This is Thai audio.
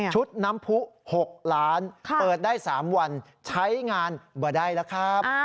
ชุดน้ำผู้๖ล้านเปิดได้๓วันใช้งานบ่ได้แล้วครับ